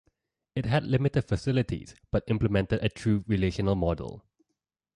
It had limited facilities but implemented a true relational model.